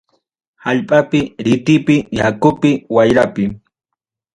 Allpapi. Ritipi. Yakupi. Wayrapi.